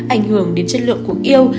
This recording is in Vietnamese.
ảnh hưởng đến chất lượng cuộc yêu